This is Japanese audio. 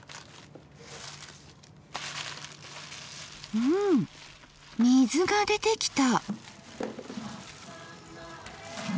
うん水が出てきた。